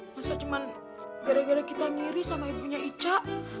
masa cuma gara gara kita ngiri sama ibunya ica